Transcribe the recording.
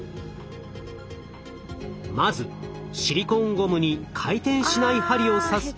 まずシリコーンゴムに回転しない針を刺すと。